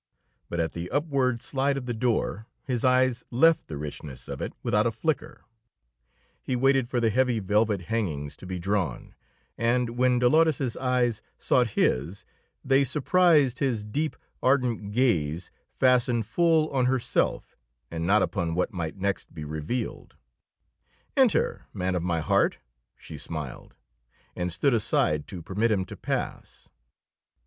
But at the upward slide of the door his eyes left the richness of it without a flicker; he waited for the heavy velvet hangings to be drawn, and when Dolores's eyes sought his they surprised his deep, ardent gaze fastened full on herself and not upon what might next be revealed. "Enter, man of my heart," she smiled, and stood aside to permit him to pass.